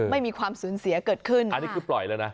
ไม่มีความสูญเสียเกิดขึ้นอันนี้คือปล่อยแล้วนะ